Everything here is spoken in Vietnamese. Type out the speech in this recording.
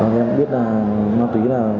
em cũng biết ma túy là